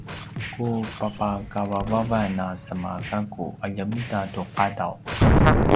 ku papakavavavan a sema gakku a ljemita tu qadaw